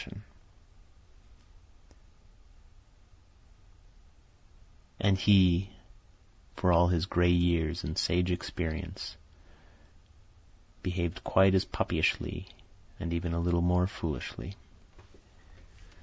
And he, for all his grey years and sage experience, behaved quite as puppyishly and even a little more foolishly.